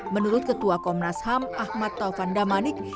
menurut ketua komnas ham ahmad taufan damanik